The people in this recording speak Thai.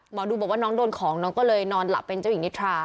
หมอดูบอกว่าน้องโดนของน้องก็เลยนอนหลับเป็นเจ้าหญิงนิทรา